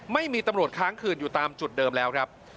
ไม่มีตำรวจค้างคืนอยู่ตามจุดเดิมแล้วครับ